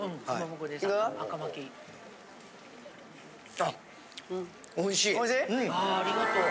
あありがとう。